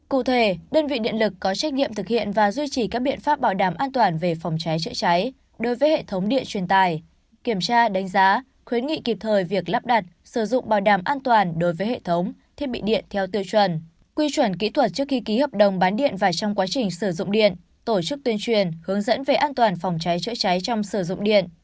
cụ thể đơn vị điện lực có trách nhiệm thực hiện và duy trì các biện pháp bảo đảm an toàn về phòng cháy chữa cháy đối với hệ thống điện truyền tài kiểm tra đánh giá khuyến nghị kịp thời việc lắp đặt sử dụng bảo đảm an toàn đối với hệ thống thiết bị điện theo tiêu chuẩn quy chuẩn kỹ thuật trước khi ký hợp đồng bán điện và trong quá trình sử dụng điện tổ chức tuyên truyền hướng dẫn về an toàn phòng cháy chữa cháy trong sử dụng điện